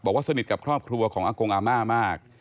สนิทกับครอบครัวของอากงอาม่ามาก